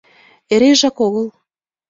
— Эрежак огыл...